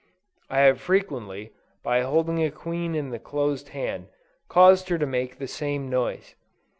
I have frequently, by holding a queen in the closed hand, caused her to make the same noise.